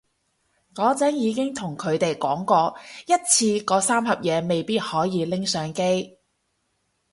嗰陣已經同佢哋講過一次嗰三盒嘢未必可以拎上機